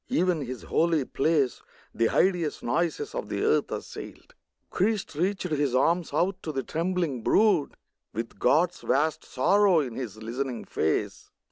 (Even His holy place The hideous noises of the earth assailed.) Christ reached His arms out to the trembling brood, With God's vast sorrow in His listening face.